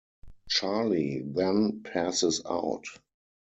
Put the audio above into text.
Charlie then passes out.